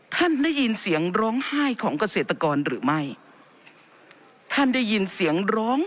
ท่านได้ยินเสียงร้องไห้ของเกษตรกรหรือไม่ท่านได้ยินเสียงร้อง